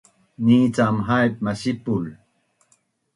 Ni cam haip masipul